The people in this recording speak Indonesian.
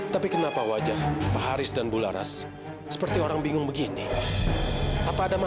sampai jumpa di video selanjutnya